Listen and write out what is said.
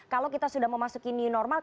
kalau kita sudah memasuki new normal